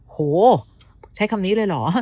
โหใช้คำนี้เลยเหรอ